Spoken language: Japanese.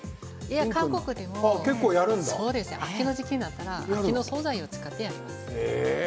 韓国でも秋の時期になったら秋の素材を使ってやります。